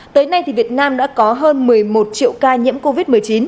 tới nay việt nam đã có hơn một mươi một triệu ca nhiễm covid một mươi chín